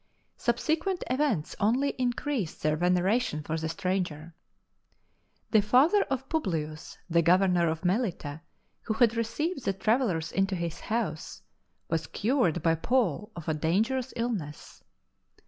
Subsequent events only increased their veneration for the stranger. The father of Publius, the Governor of Meiita, who had received the travellers into his house, was cured by Paul of a dangerous illness.